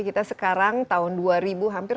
kita sekarang tahun dua ribu hampir